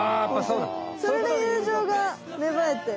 それで友情がめばえて。